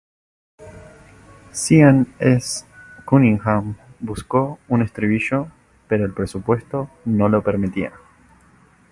Sean S. Cunningham buscó un estribillo, pero el presupuesto no lo permitiría.